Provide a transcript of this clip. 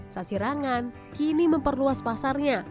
sasirangan kini memperluas pasarnya